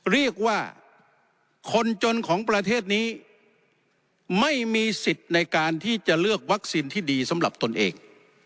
เรียกว่าคนจนของประเทศนี้ไม่มีสิทธิ์ในการที่จะเลือกวัคซีนที่ดีสำหรับตนเอง